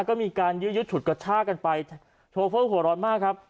ก็มีการยื้อยุดฉุดกระชากันไปโชเฟอร์หัวร้อนมากครับ